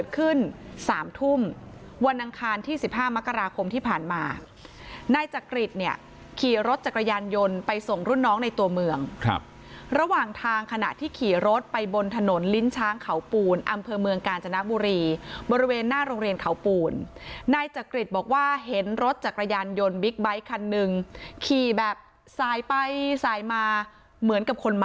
ขึ้น๓ทุ่มวันอังคารที่๑๕มกราคมที่ผ่านมานายจักริตเนี่ยขี่รถจักรยานยนต์ไปส่งรุ่นน้องในตัวเมืองครับระหว่างทางขณะที่ขี่รถไปบนถนนลิ้นช้างเขาปูนอำเภอเมืองกาญจนบุรีบริเวณหน้าโรงเรียนเขาปูนนายจักริตบอกว่าเห็นรถจักรยานยนต์บิ๊กไบท์คันหนึ่งขี่แบบสายไปสายมาเหมือนกับคนมา